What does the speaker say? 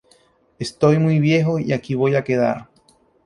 Estoy muy viejo y aquí voy a quedar.